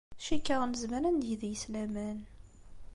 Cikkeɣ nezmer ad neg deg-s laman.